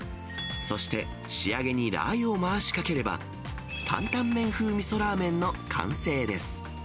そして仕上げにラー油を回しかければ、担々麺風みそラーメンの完成です。